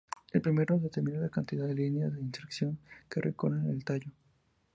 El primero determina la cantidad de líneas de inserción que recorren el tallo.